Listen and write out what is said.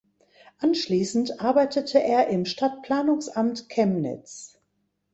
Anschließend arbeitete er im Stadtplanungsamt Chemnitz.